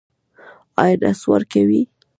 ایا نسوار کوئ؟